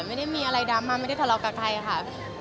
ไม่ได้มีอะไรดราม่าไม่ได้ทะเลาะกับใครค่ะ